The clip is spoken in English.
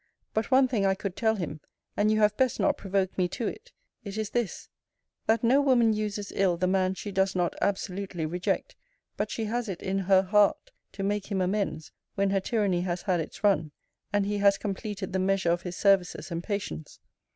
But one thing I could tell him; and you have best not provoke me to it: It is this, That no woman uses ill the man she does not absolutely reject, but she has it in her heart to make him amends, when her tyranny has had its run, and he has completed the measure of his services and patience.